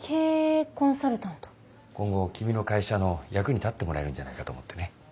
今後君の会社の役に立ってもらえるんじゃないかと思ってね。